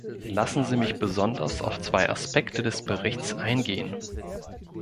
Lassen Sie mich besonders auf zwei Aspekte des Berichts eingehen.